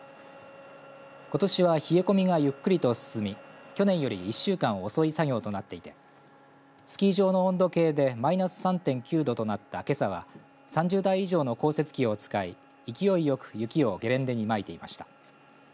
ことしは冷え込みがゆっくりと進み去年より１週間遅い作業となっていてスキー場の温度計でマイナス３．９度となったけさは３０台以上の降雪機を使い勢いよく雪をゲレンデにまいていました。